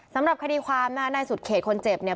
สำหรับคดีความนะคะนายสุดเขตคนเจ็บเนี่ย